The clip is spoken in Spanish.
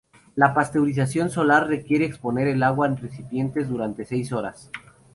La pasteurización solar requiere exponer el agua en recipientes durante seis horas.